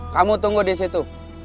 kamu tunggu di situ